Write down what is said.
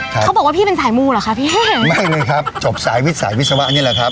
เขาบอกว่าพี่เป็นสายมูเหรอคะพี่แห้งไม่มีครับจบสายวิสายวิศวะนี่แหละครับ